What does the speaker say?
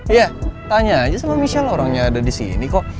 iya tanya aja sama michelle lah orangnya ada disini kok